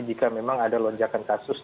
jika memang ada lonjakan kasus